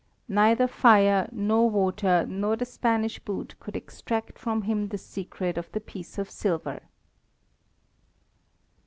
Neither fire, nor water, nor the Spanish boot could extract from him the secret of the piece of silver.